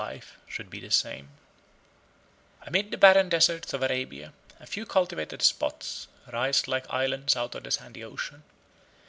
] Amid the barren deserts of Arabia, a few cultivated spots rise like islands out of the sandy ocean.